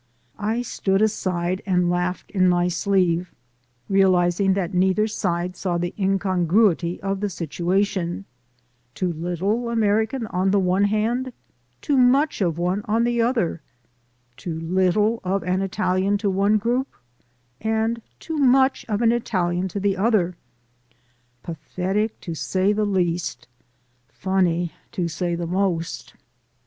I stood aside and laughed in my sleeve, realizing that neither side saw the incongruity of the situation: too little American on the one hand, too much of one on the other; too little of an Italian to one group and too much of an Italian to the other. Pathetic, to say the least! Funny, to say the most!